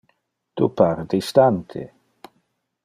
Tu pare distante.